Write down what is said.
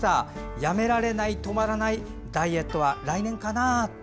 やめられない止まらないダイエットは来年かなと。